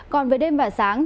còn với đêm và sáng